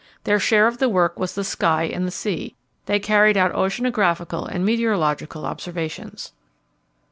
Their share of the work was the sky and the sea; they carried out oceanographical and meteorological observations.